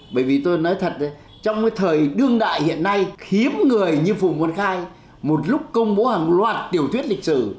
bởi vì tôi nói thật trong cái thời đương đại hiện nay hiếm người như phùng văn khai một lúc công bố hàng loạt tiểu thuyết lịch sử